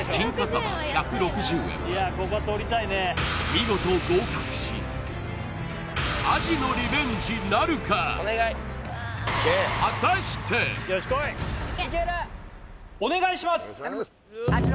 見事合格しあじのリベンジなるかお願いします